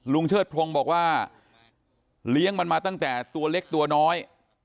เชิดพรงบอกว่าเลี้ยงมันมาตั้งแต่ตัวเล็กตัวน้อย